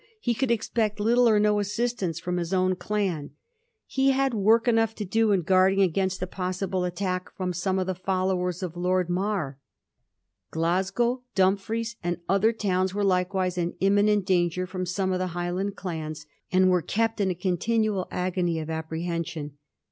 He could expect little or no assistance from his own clau. They had work enough to do in guarding against a possible attack Digiti zed by Google I i 1715 ARGYLL'S ADVANCE. 163 from some of the followers of Lord Mar. Glasgow, Dumfries, and other towns were likewise in imminent danger from some of the Highland dans, and were kept in a continual agony of apprehension.